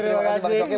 terima kasih bang joky